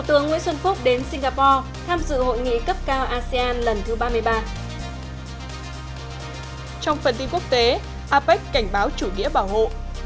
trong phần tin quốc tế apec cảnh báo chủ nghĩa bảo hộ